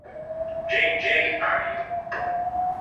J., J. Am.